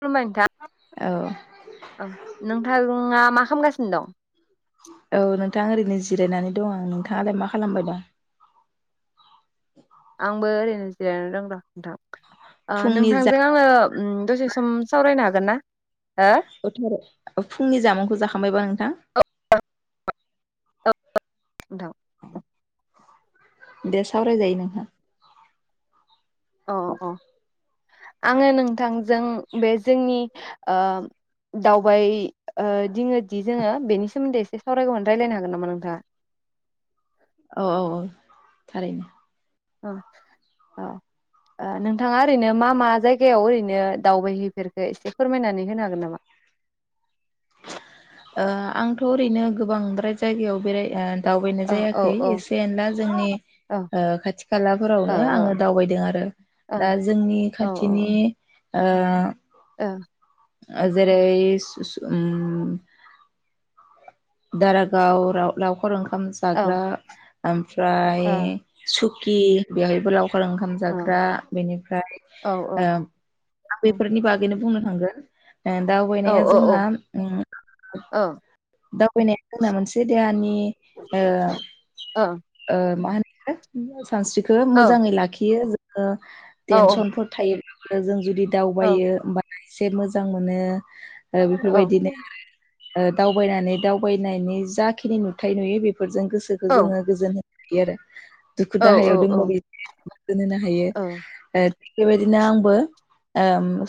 खुलुमबाय नोंथां औ औ नोंथां [unintelligible] खामगासिनो दं औ नोंथां ओरैनो जिरायनानै दं आं नोंथाङालाय मा खालामबाय दं आंबो ओरैनो जिरायनानै दंर' नोंथां ओ फुंनि जा नोंथांजों आङो उ दसे सम सावरायनो हा गोनना [unintelligible] फुंनि जामुंखौ जाखांबायबा नों थां उ नोंथां दे सावरायजायो नोंथां अ अ आङो नोंथां जों बे जोंनि ओ दावबाय ओ दिङोदि जोङो बेनि सोमोनदै एसे सावरायगौमोन रायलायनो हागोन नामा नोंथाङा औ औ औ थारैनो ओ अ ओ नोंथाङा ओरैनो मा मा जायगायाव ओरैनो दावबायहैफेरखो एसे फोरमायनानै होनो हागोन नामा ओ आंथ' ओरैनो गोबांद्राय जायगायाव बेराय दावबायनाय ओ औ जायाखै औ एसे एनला जोंनि औ खाथि ओ खालाफोरावनो आङो ओ दावबायदों आरो औ दा जोंनि औ खाथिनि ओ ओ जेरै दारागाव हराव ओंखाम औ जाग्रा ओमफ्राय ओ सु [inaudible] हराव ओंखाम औ जाग्रा बेनिफ्राय औ औ बेफोरनि बागैनो बुंनो थांगोन औ दावबायनाया जोंना औ औ [inaudible] फैनाया जोंना मोनसे देहानि ओ औ ओ [inaudible] सानस्रिखौ मोजाङै लाखियो ओ औ औ टेनसनफोर थायो जों जुदि औ दावबायो एसे मोजां मोनो औ बेफोरबायदिनो उम दावबायनानै दावबायनायनि जाखिनि नुथाय नुयो बे फोरजों गोसोखौ औ जोङो गोजोहोयो। बिदि आरो दुखु औ दाहायाव औ दंबो होनो हायो बेबायदिनो आंबो आ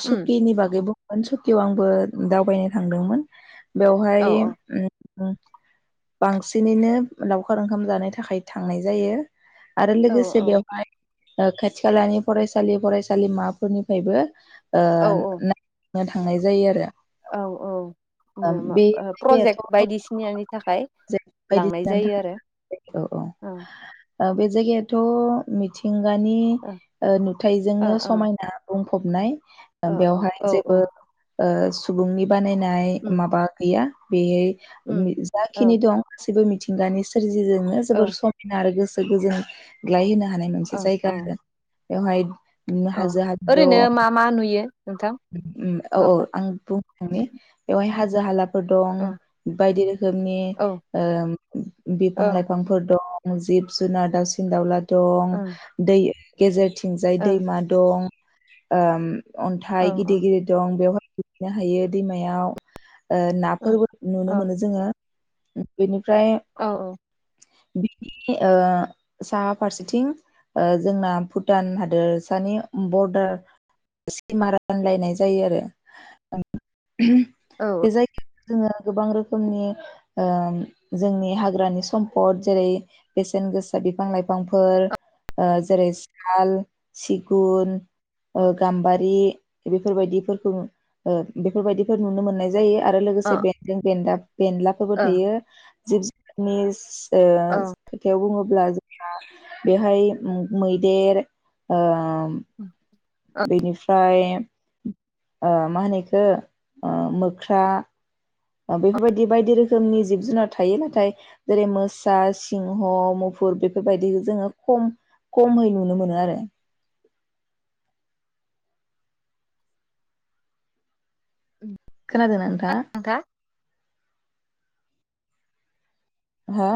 सुखि नि बागै सुकियाव आंबो दावबायनो थांदोंमोन। बेवहाय बांसिनैनो लावखार ओंखाम जानो थाखाय थांनाय जायो। आरो लोगोसे बेवहाय खाथि खालानि फरायसालि फरायसालिमाफोरनिफ्रायबो औ ओ थांनाय जायो आरो। औ औ मा बे ओ प्रजेक्ट जायगायाथ' बायदिसिनानि थाखाय लांनाय बायदिसिना जायो थाखाय आरो। औ ओ औ बे जायगायाथ' मिथिं गानि ओ ओ नुथाइजोंनो ओ समायना बुं फबनाय औ बेवहाय औ औ जेबो ओ सुबुंनि बानायनाय उम माबा गैया बेयै उम औ जाखिनि दं गासिबो मि थिंगानि सोर जोंनो औ जोबोर समायना आरो गो सोखौजों ग्लायहोनो हानाय मोनसे औ जायगा औ आरो बेवहाय उम औ हाजो हाजो दं ओरैनो मा मा नुयो। नोंथां उम औ औ आं बुंनो थांनि बेवहाय हा जो हाला फोर दं औ बायदि रोखोमनि औ ओ बिफां औ लाइफांफोर दं। जिब जुनाद दावसिन दाउला दं औ दै गेजेर थिंजाय दैमा दं ओम औ अनथाय गिदिर औ गिदिर दं बेवहाय दुगैनो हायो दैमायाव ओ नाफोरबो नुनो मोनो जोङो। बिनि औ औ बिनि ओ साहा फारसेथिं ओ जोंना भुटान हादोरसानि बरडार सिमा रानलायनाय जायो आरो। उम बे जायगाया जोङो गोबां रोखोमनि ओ जोंनि हाग्रानि सम्फद जेरै बेसेन गोसा बिफां लाइफांफोर जेरै ओ साल सिगुन औ ओ गामबारि बि बेफोर बायदिफोरखौ ओ बेफोर बायदिफोर नुनो मोननाय जायो आरो लोगोसे औ बेन्दों बेन्दाब बेनलाफोरबो ओ थायो। [unintelligible] ओ औ खोथायाव बुङो अब्ला जोंहा बेहाय मैदेर ओ [inaudible] बेनिफ्राय ओ मा होनो बेखौ मोख्रा बेफोरबायदि बायदि रोखोमनि जिब जुनार थायो। नाथाय जेरै मोसा सिंह मुफुर बेफोरबायदि जोङो खम खमै नुनो मोनो आरो। खोनादों ना नोंथाङा? नोंथां हा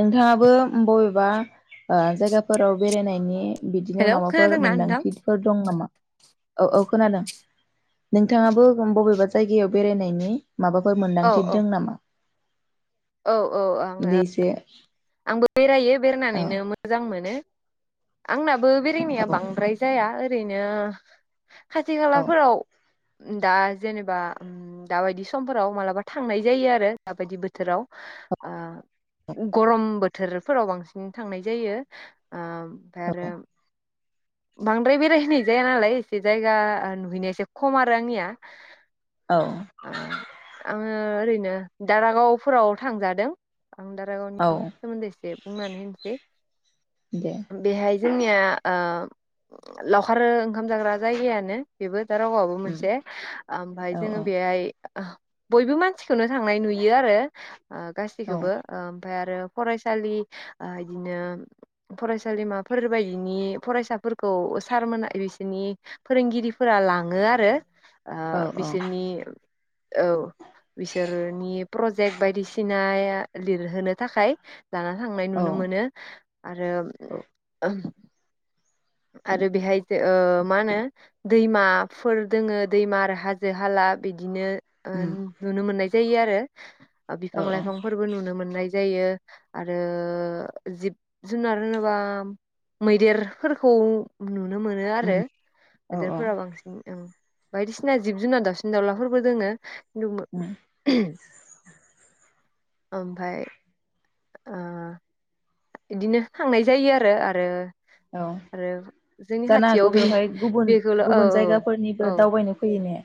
नोंथाङाबो बबेबा जायगाफोराव बेरायनायनि बिदिनो हेलौ माबाफोर खोनादोंना नोंथां? मोनदांथिफोर दं नामा? औ औ खोनादों नोंथाङाबो बबेबा जायगायाव बेरायनायनि माबाफोर औ मोनदांथि औ दों नामा? औ औ आङो दे एसे आंबो बेरायो औ बेरायनानैनो मोजां मोनो आंना बो बेरायनाया औ बांद्राय जाया ओ रैनो खाथि औ खालाफोराव दा जेनेबा उम दाबायदि समफोराव मालाबा थांनाय जायो आरो दाबायदि बोथोराव ओ [unintelligible] गरम बोथोरफोराव बांसिन थांनाय जायो ओ ओमफ्राय आरो बांद्राय बेरायहैनाय जाया नालाय एसे जायगा नुहैनाया एसे खम आरो आंनिया औ ओ आङो ओरै नो दारागावफोराव थांजादों आं औ दारागावनि सोमोन्दै एसे बुंनानै होनिसै दे बेहाय जोंनिया ओ लावखार ओंखाम जाग्रा जायगायानो बेबो दारागावाबो उम मोनसे ओमफाय औ जोंङो औ बेहाय बयबो मानसि खौनो थांनाय नुयो आरो ओ औ गासिखौबो ओ ओमफ्राय आरो फरायसालि ओ इदिनो फरायसालिमाफोर बायदिनि फरायसा फोरखौ सारमोनहा बिसोरनि फोरोंगिरिफोरा लाङो आरो ओ औ औ बिसोरनि औ बिसोरनि प्र जेक बायदिसिना लिरहोनो थाखाय लाना थांनाय औ नुनो मोनो आरो आरो बेहाय जो मा होनो दैमाफोर दोङो दैमा आरो हाजो हाला बिदिनो ओ उम नुनो मोननाय जायो आरो औ बिफां लाइफांफोरबो नुनो मोननाय जायो आरो जिब जुनार होनोबा मैदेर फोरखौ नुनो मोनो आरो उम औ औ मैदेरफोरा बांसिन ओं बायदिसिना जिब जुनार दाउसिन दाउलाफोरबो दोङो उम [unintelligible] ओमफ्राय बिदिनो थांनाय जायो आरो आरो औ आरो जोंनि जानो खाथियाव हागौ बे बेवहाय गुबुन बेखौल' औ औ गुबुन औ जायगाफोरनिबो दावबायनो फैयो ने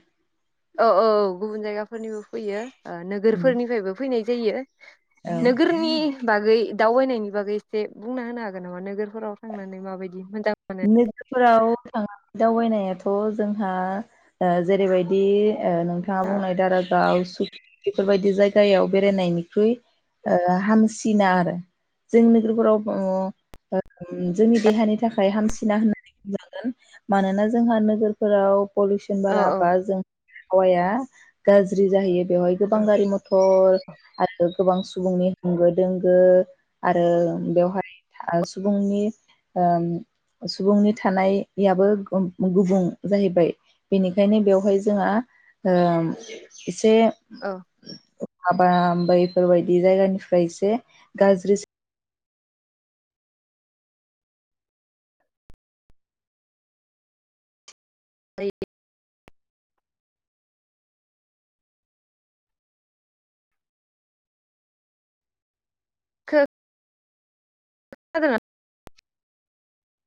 औ औ औ गुबुन जायगाफोरनिबो फैयो उम नोगोरफोरनिफ्रायबो फैनाय जायो औ नोगोरनि बागै दावबायनायनि बागै एसे बुंना होनो हागोन नामा नोगोरफोराव थांनानै माबायदि मोजां नोगोरफोराव थाना दावबायनायाथ' जोंहा जेरैबायदि नोंथाङा बुंनाय दारागाव सौखि बेफोरबायदि जायगायाव बेरायनायनिख्रुइ हामसिना आरो जों नोगोरफोराव जोंनि देहानि थाखाय हामसिना होननानै बुंनांगोन मानोना जोंहा नोगोरफोराव पलिउसन औ बारा बा जों हावाया गाज्रि जाहैयो बेवहाय औ गोबां गारि मथर आरो गोबां सुबुंनि होंगो दोंगो आरो बेवहाय सुबुंनि सुबुंनि थानाय याबो गुबुं जाहैबाय बेनिखायनो बेवहाय जोंहा एसे औ माबा बेफोरबायदि जायगानिफ्राय एसे गाज्रिसि [unintelligible] [unintelligible] [unintelligible]